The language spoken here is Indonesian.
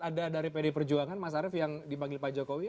ada dari pd perjuangan mas arief yang dipanggil pak jokowi